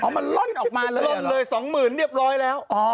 มันล่อนออกมาเลยล่อนเลยสองหมื่นเรียบร้อยแล้ว